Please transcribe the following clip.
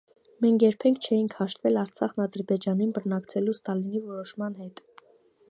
Մենք երբեք չէինք հաշտվել Արցախն Ադրբեջանին բռնակցելու Ստալինի որոշման հետ: